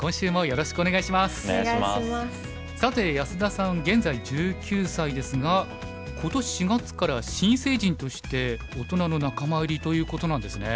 さて安田さん現在１９歳ですが今年４月から新成人として大人の仲間入りということなんですね。